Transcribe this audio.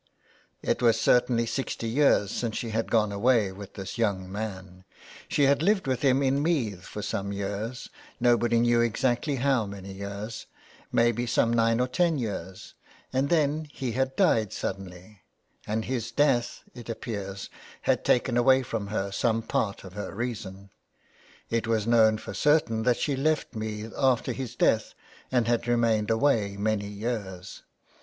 It was certainly sixty years since she had gone away with this young man ; she had lived with him in Meath for some years, nobody knew exactly how many years, maybe some nine or ten years, and then he had died suddenly, and his death, it appears, had taken away from her some part of her reason. It was known for certain that she left Meath after his death, and had remained away many years.